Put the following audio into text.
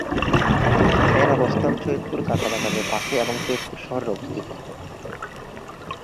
এর অবস্থান সৈয়দপুর কাঁচা বাজারের পাশে এবং সৈয়দপুর শহরের অবস্থিত।